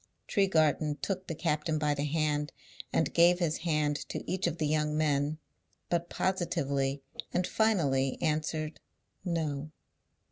Tregarthen took the captain by the hand, and gave his hand to each of the young men, but positively and finally answered No.